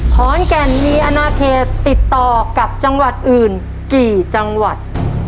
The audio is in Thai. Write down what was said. ขอนแก่นมีอนาเขตติดต่อกับจังหวัดอื่นกี่จังหวัด